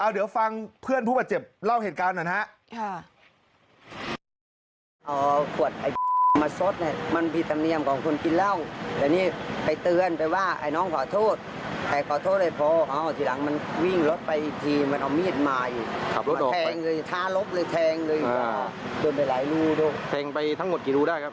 เดี๋ยวฟังเพื่อนผู้บาดเจ็บเล่าเหตุการณ์หน่อยครับ